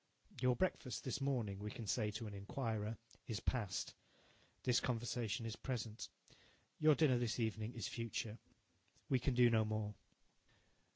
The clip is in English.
"Your breakfast this morning," we can say to an inquirer, "is past; this conversation is present; your dinner this evening is future." We can do no more.